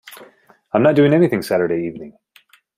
I'm not doing anything Saturday evening.